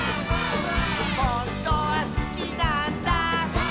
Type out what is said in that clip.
「ほんとはすきなんだ」